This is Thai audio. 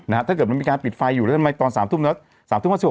นะฮะถ้าเกิดมันมีการปิดไฟอยู่แล้วทำไมตอน๓ตุ้มแล้ว